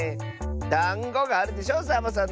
「だんご」があるでしょサボさんのほう！